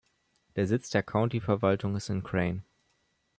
Der Sitz der County-Verwaltung ist in Crane.